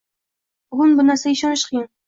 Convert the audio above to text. Bugun bu narsalarga ishonish qiyin